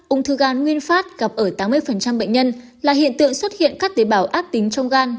ung thư gan nguyên phát gặp ở tám mươi bệnh nhân là hiện tượng xuất hiện các tế bào ác tính trong gan